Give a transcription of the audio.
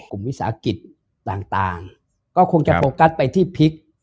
วิสาหกิจต่างก็คงจะโฟกัสไปที่พลิก